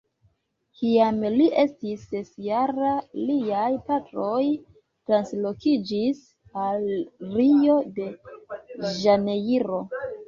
Kiam li estis ses-jara, liaj patroj translokiĝis al Rio-de-Ĵanejro.